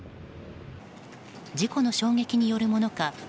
事故の衝撃によるものか